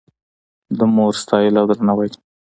د مور ستایل او درناوی